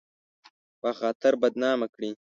په خاطر بدنامه کړي